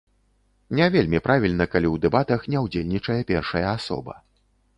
Не вельмі правільна, калі ў дэбатах не ўдзельнічае першая асоба.